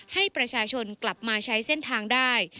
ให้ประชาชนกลับมาใช้เส้นทางได้